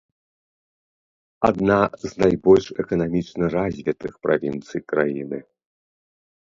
Адна з найбольш эканамічна развітых правінцый краіны.